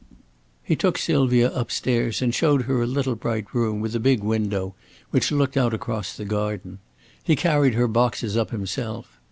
He took Sylvia up stairs and showed her a little bright room with a big window which looked out across the garden. He carried her boxes up himself.